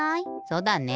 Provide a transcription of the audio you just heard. そうだね。